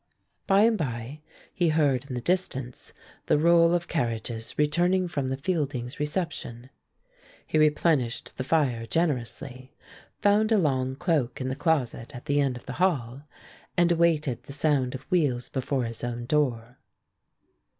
By and by he heard in the distance the roll of carriages returning from the Fieldings' reception. He replenished the fire generously, found a long cloak in the closet at the end of the hall, and waited the sound of wheels before his own door.